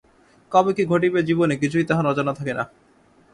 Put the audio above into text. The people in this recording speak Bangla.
কবে কী ঘটিবে জীবনে কিছুই তাহার অজানা থাকে না।